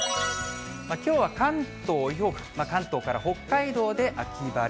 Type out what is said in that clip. きょうは関東以北、関東から北海道で秋晴れ。